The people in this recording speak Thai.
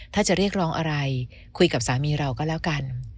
ถ้าจะเรียกร้องอะไรคุยกับสามีเราก็แล้วกัน